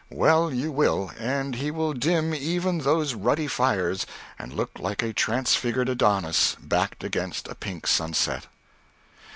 "Well, you will, and he will dim even those ruddy fires and look like a transfigured Adonis backed against a pink sunset."